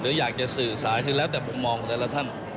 หรืออยากจะสื่อสายถึงแล้วแต่มองแต่ละท่าน